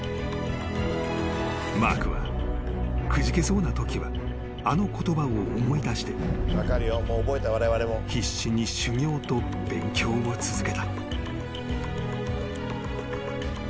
［マークはくじけそうなときはあの言葉を思い出して必死に修業と勉強を続けた］